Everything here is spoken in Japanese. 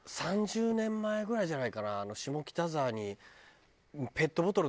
３０年前ぐらいじゃないかな下北沢に。